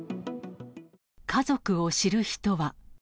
家族を知る人は。